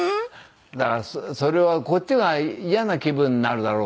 だからそれはこっちが嫌な気分になるだろうと思う。